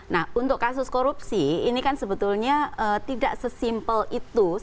nah untuk kasus korupsi ini kan sebetulnya tidak sesimpel itu